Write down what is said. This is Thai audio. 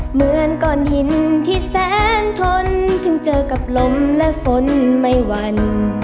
เหมือนก่อนหินที่แสนทนถึงเจอกับลมและฝนไม่วัน